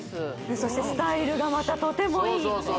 そしてスタイルがまたとてもいいそうそう